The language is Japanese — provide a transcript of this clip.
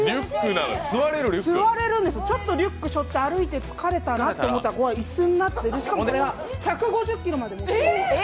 座れるんです、ちょっとリュックしょって歩いて疲れたら椅子になって、しかもこれは１５０ｋｇまで耐えらえる。